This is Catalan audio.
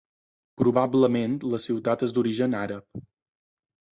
Probablement la ciutat és d'origen àrab.